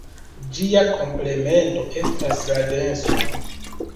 Ĝia komplemento estas la denso.